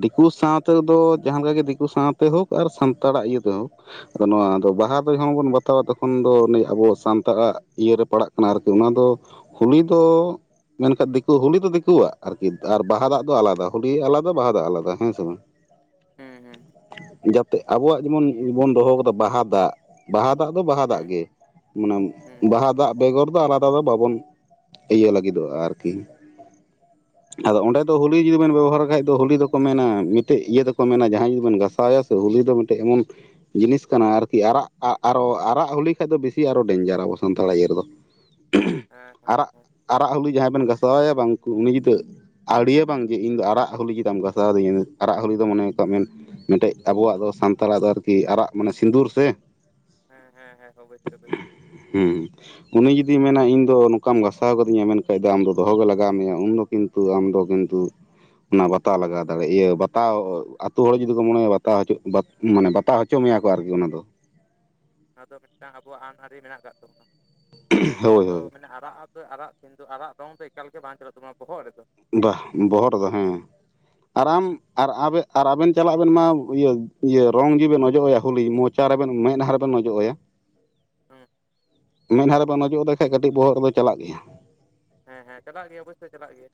ᱫᱤᱠᱩ ᱥᱟᱶᱛᱮᱮᱫᱚ ᱡᱟᱦᱟᱸ ᱞᱮᱠᱟ ᱜᱮ ᱫᱤᱠᱩ ᱥᱟᱶᱛᱮ ᱦᱳᱠ ᱟᱨ ᱥᱟᱱᱛᱟᱲᱟᱜ ᱤᱭᱟᱹᱛᱮ ᱦᱳᱠ ᱟᱫᱚ ᱱᱚᱣᱟ ᱫᱚ ᱵᱟᱦᱟ ᱦᱩᱸ ᱫᱚ ᱡᱚᱠᱦᱚᱱ ᱵᱚᱱ ᱵᱟᱛᱟᱣᱟ ᱛᱚᱠᱷᱚᱱ ᱫᱚ ᱱᱤᱭᱟ ᱟᱵᱚ ᱥᱟᱱᱛᱟᱲᱟᱜ ᱤᱭᱟᱹᱨᱮ ᱯᱟᱲᱟᱜ ᱠᱟᱱᱟ ᱟᱨ ᱠᱤ ᱚᱱᱟ ᱫᱚ ᱦᱩᱞᱩᱭ ᱫᱚ ᱢᱮᱱ ᱠᱷᱟᱱ ᱫᱤᱠᱩ ᱦᱳᱞᱤ ᱫᱚ ᱫᱤᱠᱩᱣᱟᱜ ᱟᱨ ᱠᱤ ᱟᱨ ᱵᱟᱦᱟ ᱫᱟᱜ ᱫᱚ ᱟᱞᱟᱫᱟ ᱦᱚᱳᱞᱤ ᱟᱞᱟᱫᱟ ᱵᱟᱦᱟ ᱫᱟᱜ ᱟᱞᱟᱫᱟ *unintelligible* ᱦᱮᱸ ᱦᱮᱸ ᱦᱸ ᱡᱟᱛᱮ ᱟᱵᱚᱣᱟᱜ ᱡᱮᱢᱚᱱ ᱵᱚᱱ ᱫᱚᱦᱚ ᱠᱟᱫᱟ ᱵᱟᱦᱟ ᱫᱟᱜ ᱵᱟᱦᱟ ᱫᱟᱜ ᱫᱚ ᱵᱟᱦᱟ ᱫᱟᱜ ᱦᱩᱸ ᱜᱮ ᱢᱟᱱᱮ ᱦᱩᱸ ᱦᱩᱸ ᱦᱮᱸ ᱦᱮᱸ ᱵᱟᱦᱟ ᱫᱟᱜ ᱵᱮᱜᱚᱨ ᱫᱚ ᱟᱞᱟᱫᱟ ᱫᱚ ᱵᱟ ᱵᱚᱱ ᱤᱭᱟᱹ ᱞᱟᱹᱜᱤᱫᱚᱜᱼᱟ ᱟᱨ ᱠᱤ ᱟᱫᱚ ᱚᱸᱰᱮ ᱫᱚ ᱦᱚᱳᱞᱤ ᱡᱩᱫᱤ ᱵᱮᱱ ᱵᱮᱵᱚᱦᱟᱨ ᱠᱷᱟᱡ ᱫᱚ ᱦᱳᱞᱤ ᱫᱚ ᱠᱚ ᱢᱮᱱᱟ ᱢᱤᱫᱴᱮᱡ ᱤᱭᱟᱹ ᱫᱚ ᱠᱚ ᱢᱮᱱᱟ ᱡᱟᱦᱟᱸᱭ ᱡᱩᱫᱤ ᱵᱚᱱ ᱜᱟᱥᱟᱣᱭᱟ ᱥᱮ ᱦᱳᱞᱤᱤ ᱫᱚ ᱢᱤᱫᱴᱮᱡ ᱮᱢᱚᱱ ᱡᱤᱱᱤᱥ ᱠᱟᱱᱟ ᱟᱨ ᱠᱤ ᱟᱨᱟᱜ ᱟᱜ ᱟᱨᱚ ᱟᱨᱟᱜ ᱦᱚᱞᱤᱤ ᱠᱷᱟᱡ ᱫᱚ ᱵᱮᱥᱤ ᱟᱨᱚ ᱰᱮᱧᱡᱟᱨᱟ ᱟᱵᱚ ᱥᱟᱱᱛᱟᱲᱟᱜ ᱤᱭᱟᱹ ᱨᱮᱫᱚ ᱟᱨᱟᱜ ᱦᱮᱸ ᱟᱨᱟᱜ ᱦᱚᱞᱤ ᱡᱟᱦᱟᱸᱭ ᱵᱮᱱ ᱜᱟᱥᱟᱣᱟᱭᱟ ᱵᱟᱝ ᱩᱱᱤ ᱡᱩᱫᱟᱹ ᱟᱹᱲᱤᱭᱟᱹ ᱵᱟᱝᱜᱮ ᱤᱧ ᱫᱚ ᱟᱨᱟᱜ ᱦᱳᱞᱤ ᱪᱮᱫᱟᱜ ᱮᱢ ᱜᱟᱥᱟᱣ ᱫᱤᱧᱟᱹ ᱟᱨᱲᱟᱜ ᱦᱳᱞᱤ ᱫᱚ ᱢᱚᱱᱮ ᱠᱟᱜ ᱢᱮ ᱢᱤᱫᱴᱮᱡ ᱟᱵᱚᱣᱟᱜ ᱫᱚ ᱥᱟᱱᱛᱟᱲᱟᱜ ᱫᱚ ᱟᱨᱠᱤ ᱟᱨᱟᱜ ᱢᱟᱱᱮ ᱥᱤᱸᱫᱩᱨ ᱥᱮ ᱦᱮᱸ ᱦᱮᱸ ᱦᱮᱸ ᱚᱵᱭᱥᱭ ᱚᱵᱥ ᱦᱩᱸ ᱩᱱᱤ ᱡᱩᱫᱤ ᱢᱮᱱᱟ ᱤᱧ ᱫᱚ ᱱᱚᱝᱠᱟᱢ ᱜᱟᱥᱟᱣ ᱠᱟᱫᱤᱧᱟ ᱢᱮᱱᱠᱷᱟᱱᱡ ᱫᱚ ᱟᱢ ᱫᱚᱦᱚ ᱜᱮ ᱞᱟᱜᱟᱹᱣ ᱢᱮᱭᱟ ᱩᱱ ᱫᱚ ᱠᱤᱱᱛᱩ ᱟᱢᱫᱚ ᱠᱤᱱᱛᱩ ᱚᱱᱟ ᱵᱟᱛᱟ ᱞᱟᱜᱟᱣ ᱫᱟᱲᱮ ᱤᱭᱟᱹ ᱛᱟᱟᱣ ᱟᱹᱛᱩ ᱦᱚᱲ ᱡᱩᱫᱤ ᱠᱚ ᱢᱚᱱᱮᱭᱟ ᱵᱟᱛᱟ ᱦᱚᱪᱚ ᱢᱟᱱᱮ ᱵᱟᱛᱟᱟᱣ ᱦᱚᱪᱚ ᱢᱮᱭᱟ ᱠᱚ ᱟᱨ ᱠᱤ ᱚᱱᱟ ᱫᱚ ᱱᱚᱣᱟ ᱫᱚ ᱢᱤᱫᱴᱟᱝ ᱟᱵᱚᱣᱟᱜ ᱟᱹᱱᱼ ᱟᱹᱟᱹᱨᱨᱤ ᱢᱮᱱᱟᱜ ᱟᱠᱟᱫ ᱛᱟᱵᱚᱱᱟ ᱡᱮ ᱱᱚᱣᱟ ᱦᱳᱭ ᱫᱚ ᱦᱳᱭ ᱢᱟᱱᱮ ᱟᱨᱟᱜ ᱟ ᱟᱨᱟᱜ ᱥᱤ ᱫᱚ ᱟᱨᱟᱜ ᱨᱚᱝ ᱫᱚ ᱮᱠᱟᱞ ᱜᱮ ᱵᱟᱝ ᱪᱟᱞᱩᱜ ᱛᱟᱵᱱᱟ ᱵᱚᱦᱚᱜ ᱨᱮ ᱫᱚ ᱵᱟᱦ ᱵᱚᱦᱚᱜ ᱨᱮ ᱫᱚ ᱦᱮᱸ ᱟᱨ ᱟᱢ ᱟᱨ ᱟᱵᱮᱱ ᱟᱨ ᱟᱵᱮᱱ ᱪᱟᱞᱟᱜ ᱵᱮᱱ ᱢᱟ ᱤᱭᱟᱹ ᱤᱭᱟᱹ ᱨᱚᱝ ᱡᱤᱵᱮᱱ ᱚᱡᱚᱜ ᱟᱭᱟ ᱦᱞᱤ ᱢᱚᱡᱽ ᱪᱟᱨᱟ ᱵᱮᱱ ᱢᱮᱫ ᱦᱟ ᱨᱮ ᱵᱮᱱ ᱚᱡᱚᱜ ᱟᱭᱟ ᱦᱮᱸ ᱢᱮᱫᱦᱟ ᱨᱮᱵᱮᱱ ᱚᱡᱚᱜ ᱟᱫᱮ ᱠᱷᱟᱱᱡ ᱠᱟᱹᱴᱤᱡ ᱵᱚᱦᱚᱜ ᱨᱮᱫᱚ ᱪᱟᱞᱟᱜ ᱜᱮᱭᱟ ᱦᱮᱸ ᱦᱮᱸ ᱪᱟᱞᱟᱜ ᱜᱮᱭᱟ ᱚᱵᱚᱥᱚᱭ ᱪᱟᱞᱟᱜ ᱜᱮᱭᱟ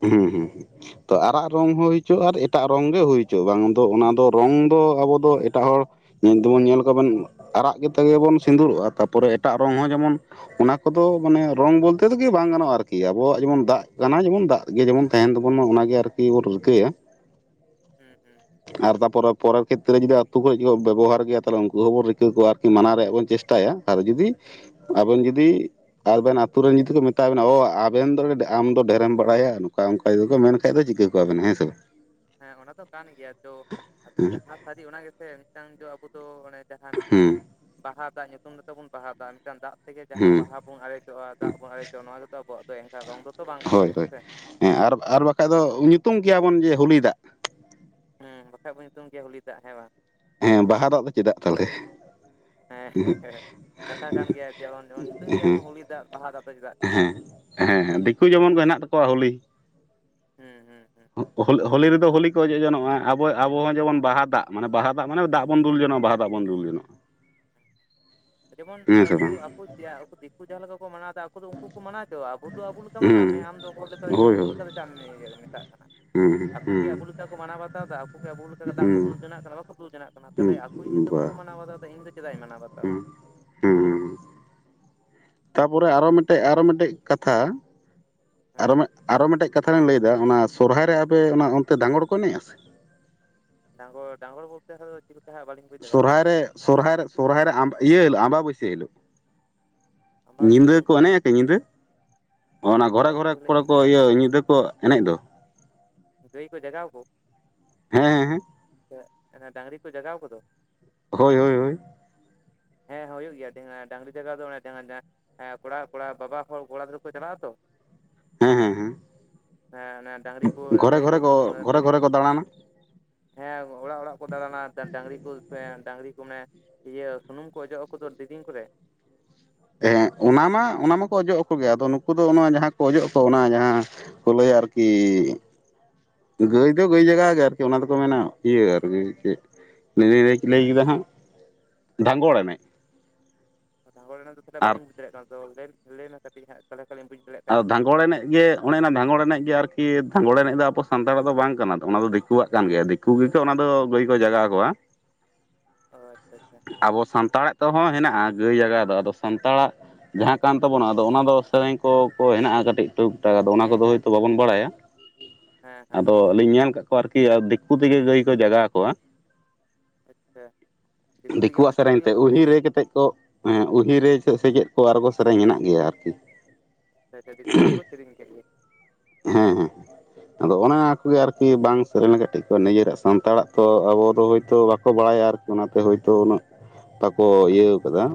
ᱦᱩᱸ ᱦᱩᱸ ᱦᱩᱸ ᱛᱚ ᱟᱨᱟᱜ ᱨᱚᱝ ᱦᱚᱸ ᱦᱩᱭ ᱪᱚᱜ ᱟᱨ ᱮᱴᱟᱜ ᱨᱚᱝ ᱜᱮ ᱦᱩᱭ ᱦᱚᱪᱚᱜ ᱵᱟᱝ ᱫᱚ ᱚᱱᱟ ᱫᱚ ᱨᱚᱝ ᱫᱚ ᱟᱵᱚ ᱫᱚ ᱮᱴᱟᱜ ᱦᱚᱲ ᱧᱮᱞ ᱫᱚ ᱵᱚᱱ ᱧᱮᱞ ᱠᱚ ᱵᱮᱱ ᱟᱨᱟᱜ ᱛᱮ ᱜᱮ ᱵᱚᱱ ᱥᱤᱸᱫᱩᱨᱚᱜᱼᱟ ᱛᱟᱨ ᱯᱚᱨᱮ ᱮᱴᱟᱜ ᱨᱚᱝ ᱦᱚᱸ ᱡᱮᱢᱚᱱ ᱚᱱᱟ ᱠᱚᱫᱚ ᱢᱟᱱᱮ ᱨᱚᱝ ᱵᱚᱞᱛᱮ ᱛᱤ ᱜᱮ ᱵᱟᱝ ᱜᱟᱱᱚᱜᱼᱟ ᱟᱨ ᱠᱤ ᱟᱵᱚᱣᱟᱜ ᱡᱮᱢᱚᱱ ᱫᱟᱜ ᱠᱟᱱᱟ ᱡᱮᱢᱚᱱ ᱫᱟᱜ ᱜᱮ ᱡᱮᱢᱚᱱ ᱛᱟᱦᱮᱱ ᱛᱟᱵᱚᱱ ᱢᱟ ᱚᱱᱟ ᱜᱮ ᱟᱨ ᱠᱤ ᱵᱚᱱ ᱨᱤᱹᱠᱟᱹᱭᱟ ᱦᱩᱸ ᱦᱩᱸ ᱟᱨ ᱛᱟᱯᱚᱨ ᱯᱚᱨᱮᱨ ᱠᱷᱮᱛᱨᱮ ᱡᱩᱫᱤ ᱟᱹᱛᱩᱳ ᱠᱚᱨᱮᱡ ᱡᱩᱫᱤ ᱵᱮᱵᱚᱦᱟᱨ ᱜᱮᱭᱟ ᱛᱟᱦᱚᱞᱮ ᱩᱱᱠᱩ ᱦᱚᱸᱵᱚᱱ ᱨᱤᱠᱟᱹ ᱠᱚᱣᱟ ᱟᱨ ᱢᱟᱱᱟᱣ ᱨᱮᱭᱟᱜ ᱵᱚᱱ ᱪᱮᱥᱴᱟᱭᱟ ᱟᱨ ᱡᱩᱫᱤ ᱟᱵᱮᱱ ᱡᱩᱫᱤ ᱟᱵᱮᱱ ᱟᱹᱛᱩ ᱨᱮᱱ ᱡᱩᱫᱤ ᱠᱚ ᱢᱮᱛᱟ ᱵᱮᱱᱟ ᱚ ᱟᱵᱮᱱ ᱫᱚ ᱟᱢ ᱫᱚ ᱰᱷᱮᱨᱮᱢ ᱵᱟᱲᱟᱭᱟ ᱱᱚᱝᱠᱟ ᱚᱱᱠᱟ ᱠᱚ ᱢᱮᱱᱠᱟᱱᱡ ᱫᱚ ᱪᱤᱠᱟ ᱠᱚᱣᱟᱵ ᱵᱮᱱᱟ ᱦᱮᱸᱥᱮ ᱵᱟᱝ ᱦᱮᱸ ᱚᱱᱟ ᱫᱚ ᱠᱟᱱ ᱜᱮᱭᱟ ᱛᱚ ᱟᱫᱚ ᱡᱟᱦᱟᱸ ᱥᱟᱹᱨᱤ ᱚᱱᱟ ᱜᱮ ᱥᱮ ᱢᱤᱫᱴᱟᱝ ᱫᱚ ᱟᱵᱚ ᱫᱚ ᱚᱱᱮ ᱡᱟᱦᱟᱸ ᱢᱤᱫᱴᱟᱝ ᱦᱩᱸ ᱵᱟᱦᱟ ᱫᱟᱜ ᱧᱩᱛᱩᱢ ᱵᱚᱱ ᱵᱟᱦᱟ ᱫᱟᱜᱼᱟ ᱢᱤᱫᱴᱟᱝ ᱫᱟᱜ ᱛᱮᱜᱮ ᱡᱟᱦᱟᱸ ᱦᱩᱸ ᱵᱟᱦᱟ ᱵᱚᱱ ᱟᱨᱲᱮᱡᱚᱜᱼᱟ ᱫᱟᱜ ᱵᱚᱱ ᱟᱨᱲᱮᱡᱚᱜᱼᱟ ᱱᱚᱣᱟ ᱜᱮᱛᱚ ᱟᱵᱚᱣᱟᱜ ᱫᱚ ᱮᱱᱠᱷᱟᱱ ᱨᱚᱝ ᱫᱚᱛᱚ ᱵᱟᱝ ᱠᱟᱱ ᱦᱳᱭ ᱛᱟᱵᱚᱱᱟ ᱦᱳᱭ ᱥᱮ ᱦᱮᱸ ᱟᱨ ᱟᱨ ᱵᱟᱠᱷᱟᱡ ᱫᱚ ᱧᱩᱛᱩᱢ ᱠᱮᱭᱟᱵᱚᱱ ᱡᱮ ᱦᱚᱩᱞᱤ ᱫᱟᱜ ᱦᱮᱸ ᱵᱟᱠᱷᱟᱡ ᱵᱚᱱ ᱧᱩᱛᱩᱢ ᱜᱮᱭᱟ ᱦᱚᱩᱞᱤ ᱫᱟᱜ ᱦᱮᱸ ᱵᱟᱝ ᱦᱮᱸ ᱵᱟᱦᱟ ᱫᱟᱜ ᱫᱚ ᱪᱮᱫᱟᱜ ᱛᱟᱞᱮ ᱦᱳᱭ ᱦᱮᱸ ᱦᱮᱸ ᱦᱸ ᱠᱟᱛᱷᱟ ᱠᱟᱱ ᱜᱮᱭᱟ ᱡᱮᱢᱚᱱ ᱡᱮᱢᱚᱱ ᱧᱩᱛᱩᱢ ᱠᱮᱭᱟᱵᱚᱱ ᱦᱚᱞᱤᱤ ᱫᱟᱜ ᱵᱟᱦᱟ ᱫᱟᱜ ᱫᱚ ᱪᱮᱫᱟᱜ ᱛᱟᱞᱮ ᱦᱮᱸ ᱦᱮᱸ ᱫᱤᱠᱩ ᱡᱮᱢᱚᱱ ᱠᱚ ᱦᱮᱱᱟᱜ ᱛᱟᱠᱚᱣᱟ ᱦᱳᱞᱤ ᱦᱮᱸ ᱦᱮᱸ ᱦᱳᱞᱤ ᱨᱮᱫᱚ ᱦᱳᱞᱤ ᱠᱚ ᱚᱡᱚᱜ ᱡᱚᱱᱚᱜᱼᱟ ᱟᱵᱚ ᱟᱵᱚᱦᱚᱸ ᱡᱮᱢᱚᱱ ᱵᱟᱦ ᱫᱟᱜ ᱢᱟᱱ ᱵᱟᱦᱟ ᱫᱟᱜ ᱢᱟᱱᱮ ᱫᱟᱜ ᱵᱚᱱ ᱫᱩᱞ ᱡᱚᱱᱚᱜᱼᱟ ᱵᱟᱦᱟ ᱫᱟᱜ ᱵᱚᱱ ᱫᱩᱞ ᱡᱚᱱᱚᱜᱼᱟ *inaudible* ᱡᱮᱢᱚᱱ ᱦᱮᱸ ᱥᱮ ᱟᱠᱚ ᱵᱟᱝ ᱟᱠᱚ ᱛᱮᱭᱟᱜ ᱫᱤᱠᱩ ᱡᱟᱦᱟ ᱞᱮᱠᱟ ᱠᱚ ᱢᱟᱱᱟᱣ ᱮᱫᱟ ᱩᱱᱫᱚ ᱩᱱᱠᱩ ᱠᱚ ᱢᱟᱱᱟᱣᱪᱚᱣᱟ ᱟᱵᱚ ᱫᱚ ᱟᱵᱚ ᱞᱮᱠᱟ ᱢᱟᱱᱟᱣ ᱢᱮ ᱦᱩᱸ ᱟᱢ ᱫᱚ ᱦᱚᱲ ᱞᱮᱠᱟ ᱫᱚ ᱪᱮᱫ ᱦᱳᱭ ᱩᱱᱠᱩ ᱦᱳᱭ ᱞᱮᱠᱟ ᱞᱮᱠᱟᱫᱚ ᱪᱟᱜ ᱮᱢ ᱢᱮᱛᱟᱜ ᱠᱟᱱᱟ ᱦᱩᱸ ᱟᱠᱚᱠᱮ ᱦᱩᱸ ᱟᱵᱚ ᱞᱮᱠᱟ ᱠᱚ ᱢᱟᱱᱟᱣ ᱵᱟᱛᱟᱣ ᱮᱫᱟ ᱟᱠᱩᱜᱮ ᱟᱵᱚ ᱞᱮᱠᱟ ᱫᱟᱜ ᱠᱚ ᱦᱩᱸ ᱫᱩᱞ ᱡᱚᱱᱟᱜ ᱠᱟᱱᱟ ᱵᱟᱠᱚ ᱫᱩᱞ ᱡᱚᱱᱟᱜ ᱠᱟᱱᱟ ᱛᱟᱦᱚᱞᱮ ᱟᱠᱚ ᱤᱭᱟ. ᱦᱩᱸ ᱛᱮ ᱵᱟ ᱵᱟᱠᱚ ᱢᱟᱱᱟᱣ ᱵᱟᱛᱟᱣᱫᱟ ᱤᱧ ᱫᱚ ᱪᱮᱫᱟᱜᱤᱧ ᱢᱟᱱᱟᱣ ᱵᱟᱛᱟᱣᱟ ᱦᱩᱸ ᱛᱟᱨᱯᱚᱨᱮ ᱟᱨᱚ ᱢᱤᱫᱴᱮᱡ ᱟᱨᱚ ᱢᱤᱫᱴᱮᱡ ᱠᱟᱛᱷᱟ ᱟᱨᱚ ᱦᱮᱸ ᱦᱮᱸ ᱟᱨᱚ ᱢᱤᱫᱴᱮᱱ ᱠᱟᱛᱷᱟ ᱞᱤᱧ ᱞᱟᱹᱭᱫᱟ ᱚᱱᱟ ᱥᱚᱨᱦᱟᱭ ᱨᱮ ᱟᱯᱮ ᱚᱱᱟ ᱚᱱᱛᱮ ᱫᱟᱸᱜᱲ ᱠᱚ ᱮᱱᱮᱡᱼᱟ ᱥᱮ ᱰᱟᱝᱜᱚᱨ ᱰᱟᱝᱜᱚᱨ ᱵᱚᱞᱛᱮᱫᱚ ᱪᱤᱞᱮᱠᱟ ᱦᱟᱜ ᱵᱟᱹᱞᱤᱧ ᱵᱩᱡᱽ ᱫᱟᱲᱮᱭᱟᱫᱟ ᱥᱚᱨᱦᱟᱭᱨᱮ ᱥᱚᱨᱦᱟᱭᱨᱮ ᱥᱚᱨᱦᱟᱭᱨᱮ ᱤᱭᱟᱹ ᱟᱢᱵᱟ ᱵᱟᱹᱥᱭᱟᱹ ᱦᱤᱞᱳᱜ ᱧᱤᱫᱟᱹ ᱟᱢᱵᱟᱵᱟᱹᱥᱭᱟᱹ ᱠᱚ ᱦᱤᱞᱳᱜ ᱮᱱᱮᱡᱼᱟ ᱠᱤ ᱧᱤᱫᱟᱹ ᱚᱱᱟ ᱜᱷᱚᱨᱮ ᱜᱷᱚᱨᱮ ᱟᱢᱵᱟᱵᱟᱹᱥᱭᱟᱹ ᱦᱤᱞᱳᱜ ᱠᱚᱨᱮ ᱠᱚ ᱧᱤᱫᱟᱹ ᱤᱭᱟᱹ ᱧᱤᱫᱟᱹ ᱠᱚ ᱮᱱᱮᱡ ᱫᱚ ᱜᱟᱹᱭ ᱠᱚ ᱡᱟᱜᱟᱣ ᱠᱚ ᱦᱮᱸ ᱦᱮᱸ ᱦᱮᱸ ᱰᱟᱝᱨᱤ ᱠᱚ ᱡᱟᱜᱟᱣ ᱠᱚᱫᱚ ᱦᱳᱭ ᱦᱳᱭ ᱦᱳᱭ ᱦᱮᱸ ᱦᱩᱭᱩᱜ ᱜᱮᱭᱟ ᱰᱟᱝᱨᱤ ᱡᱟᱜᱟᱶ ᱫᱚ *unintelligible* ᱦᱮᱸ ᱠᱚᱲᱟ ᱠᱚᱲᱟ ᱵᱟᱵᱟ ᱦᱚᱲ ᱠᱚᱲᱟ ᱜᱤᱫᱽᱨᱟᱹ ᱠᱚ ᱪᱟᱞᱟᱜ ᱟᱛᱚ ᱦᱮᱸ ᱦᱮᱸ ᱦᱮᱸ ᱦᱮᱸ ᱚᱱᱮ ᱰᱟᱝᱨᱤ ᱠᱚ ᱜᱷᱚᱨᱮ ᱜᱟᱹᱭ ᱠᱚ ᱜᱷᱚᱨᱮ ᱥᱩᱱᱩᱢ ᱜᱷᱚᱨᱮ ᱫᱤᱨᱤ ᱜᱷᱚᱨᱮ ᱠᱚ ᱫᱟᱬᱟᱱᱟ ᱦᱮᱸ ᱚᱲᱟᱜ ᱚᱲᱟᱜ ᱠᱚ ᱫᱟᱬᱟᱱᱟ ᱰᱟᱝᱨᱤ ᱠᱚ ᱥᱮ ᱰᱟᱝᱨᱤ ᱠᱚ ᱢᱟᱱᱮ ᱤᱭᱟᱹ ᱥᱩᱱᱩᱢ ᱠᱚ ᱚᱡᱚᱜ ᱟᱠᱚᱫᱚ ᱫᱮᱨᱤᱧ ᱠᱚᱨᱮ ᱦᱮᱸ ᱚᱱᱟ ᱢᱟ ᱚᱱᱟ ᱢᱟᱠᱚ ᱚᱡᱚᱜ ᱟᱠᱚᱜᱮ ᱟᱫᱚ ᱱᱩᱠᱩ ᱫᱚ ᱚᱱᱟ ᱡᱟᱦᱟᱸ ᱠᱚ ᱚᱡᱚᱜ ᱟᱠᱚ ᱚᱱᱟ ᱡᱟᱦᱟᱸ ᱯᱷᱳᱞᱳᱭ ᱟᱨᱠᱤ ᱜᱟᱹᱭ ᱫᱚ ᱜᱟᱹᱭ ᱡᱟᱜᱟ ᱜᱮ ᱟᱨᱠᱤ ᱚᱱᱟ ᱫᱚᱠᱚ ᱢᱮᱱᱟ ᱤᱭᱟᱹ ᱟᱨᱠᱤ ᱪᱮᱫ ᱞᱤᱫᱤ ᱞᱟᱹᱭ ᱠᱮᱫᱟ ᱦᱟᱸᱜ ᱰᱷᱟᱝᱜᱚᱲ ᱮᱱᱮᱡ ᱰᱷᱟᱸᱜᱚᱲ ᱮᱱᱮᱡ ᱫᱚ ᱛᱟᱦᱚᱞᱮ ᱟᱨ ᱵᱞᱤᱧᱩ ᱵᱩᱡ ᱫᱟᱲᱭᱟᱜ ᱠᱟᱱᱟ ᱛᱚ ᱞᱟᱹᱭ ᱢᱮ ᱠᱟᱹᱴᱤᱡ ᱦᱟᱸᱜ ᱛᱟᱞᱮ ᱛᱟᱦᱞᱮᱧ ᱵᱩᱡ ᱟᱨ ᱫᱷᱟᱸᱜᱚᱲ ᱮᱱᱮᱡ ᱜᱮ ᱚᱱᱮ ᱚᱱᱟ ᱫᱷᱟᱸᱜᱚᱲ ᱮᱱᱮᱡ ᱜᱮ ᱟᱨᱠᱤ ᱫᱷᱟᱸᱜᱚᱲ ᱮᱱᱮᱡ ᱫᱚ ᱟᱵᱚ ᱥᱟᱱᱛᱟᱲᱟᱜ ᱫᱚ ᱵᱟᱝ ᱠᱟᱱᱟ ᱛᱚ ᱚᱱᱟ ᱫᱚ ᱫᱤᱠᱩᱣᱟᱜ ᱠᱟᱱ ᱜᱮᱭᱟ ᱫᱤᱠᱩ *unintelligible* ᱚᱱᱟ ᱫᱚ ᱜᱟᱹᱭ ᱠᱚ ᱡᱟᱜᱟᱣ ᱠᱚᱣᱟ ᱚ ᱟᱪᱪᱷᱟ ᱟᱪᱪᱷᱟ ᱟᱵᱚ ᱥᱟᱱᱛᱟᱲᱟᱜ ᱛᱮᱦᱚᱸ ᱦᱮᱱᱟᱜᱼᱟ ᱜᱟᱹᱭ ᱡᱟᱜᱟᱣ ᱫᱚ ᱟᱫᱚ ᱥᱟᱱᱛᱟᱲᱟᱜ ᱡᱟᱦᱟᱸ ᱠᱟᱱ ᱛᱟᱵᱚᱱᱟ ᱟᱫᱚ ᱚᱱᱟᱫᱚ ᱥᱮᱨᱮᱧ ᱠᱚᱠᱚ ᱦᱮᱱᱟᱜᱼᱟ ᱠᱟᱹᱴᱤᱡ ᱴᱩᱠ ᱴᱟᱠ ᱟᱫᱚ ᱚᱱᱟ ᱦᱮᱸ ᱠᱚᱫᱚ ᱦᱮᱸ ᱦᱳᱭᱛᱳ ᱵᱟᱵᱚᱱ ᱵᱟᱲᱟᱭᱟ ᱦᱮᱸ ᱦᱮᱸ ᱦᱮᱸ ᱟᱫᱚ ᱦᱮᱸ ᱞᱤᱧ ᱧᱮᱞ ᱠᱟᱜ ᱠᱚᱣᱟ ᱟᱨᱠᱤ ᱫᱤᱠᱩ ᱛᱮᱜᱮ ᱜᱟᱹᱭ ᱠᱚ ᱡᱟᱜᱟᱣ ᱠᱚᱣᱟ ᱟᱪᱪᱷᱟ ᱫᱤᱠᱩ ᱛᱮᱜᱮ ᱫᱤᱠᱩᱣᱟᱜ ᱢᱟᱱᱮ ᱫᱤᱠᱩ ᱥᱮᱨᱮᱧ ᱛᱮᱜᱮ ᱛᱮ ᱠᱚ ᱩᱦᱤ ᱥᱮᱨᱮᱧᱟ ᱨᱮ ᱠᱟᱛᱮᱫ ᱠᱚ ᱦᱮᱸ ᱩᱦᱤᱨᱮ ᱪᱮᱫ ᱥᱮ ᱪᱮᱫ ᱠᱚ ᱟᱨᱜᱚ ᱥᱮᱨᱮᱧ ᱦᱮᱱᱟᱜ ᱜᱮᱭᱟ ᱟᱨᱠᱤ ᱟᱪᱪᱷᱟ ᱫᱤᱠᱩ ᱛᱮᱜᱮ ᱠᱚ ᱥᱮᱨᱮᱧ ᱠᱮᱜ ᱜᱮ ᱦᱮᱸ ᱦᱮᱸ ᱦᱮᱸ ᱟᱫᱚ ᱚᱱᱟ ᱟᱪᱪᱷᱟ ᱠᱚᱜᱮ ᱟᱨᱠᱤ ᱵᱟᱝ ᱥᱮᱨᱮᱧ ᱠᱟᱹᱴᱤᱡ ᱠᱚ ᱱᱤᱡᱮᱨᱟᱜ ᱥᱟᱱᱛᱟᱲᱟᱜ ᱛᱚ ᱟᱵᱚ ᱫᱚ ᱦᱳᱭᱛᱳ ᱵᱟᱠᱚ ᱵᱟᱲᱟᱭᱟ ᱟᱨ ᱚᱱᱟ ᱛᱮ ᱦᱳᱭᱛᱳ ᱩᱱᱟᱹᱜ ᱵᱟᱠᱚ ᱤᱭᱟᱹᱣ ᱟᱠᱟᱫᱟ